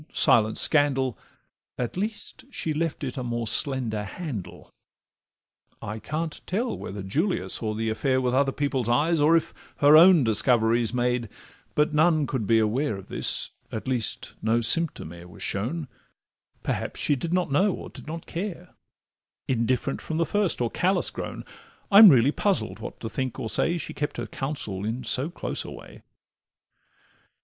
silence scandal, At least she left it a more slender handle. I can't tell whether Julia saw the affair With other people's eyes, or if her own Discoveries made, but none could be aware Of this, at least no symptom e'er was shown; Perhaps she did not know, or did not care, Indifferent from the first or callous grown: I'm really puzzled what to think or say, She kept her counsel in so close a way.